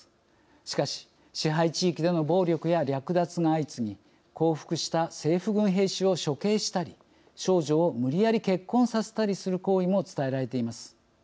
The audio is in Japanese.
しかし支配地域での暴力や略奪が相次ぎ降伏した政府軍兵士を処刑したり少女を無理やり結婚させたりする行為も伝えられています。